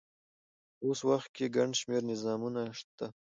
په اوس وخت کښي ګڼ شمېر نظامونه سته.